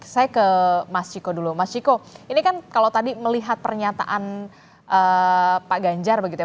saya ke mas ciko dulu mas ciko ini kan kalau tadi melihat pernyataan pak ganjar begitu ya